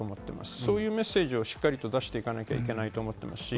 そういうメッセージをしっかり出していかないといけないと思っています。